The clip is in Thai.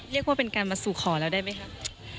เรียกว่าเป็นการมาสู่ขอแล้วได้ไหมครับ